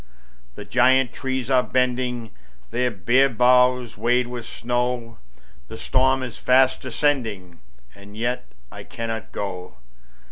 The giant trees are bending Their bare boughs weighed with snow, And the storm is fast descending And yet I cannot go.